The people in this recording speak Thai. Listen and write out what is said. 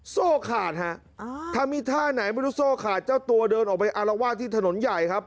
โซ่ขาดฮะถ้ามีท่าไหนไม่รู้โซ่ขาดเจ้าตัวเดินออกไปอารวาสที่ถนนใหญ่ครับ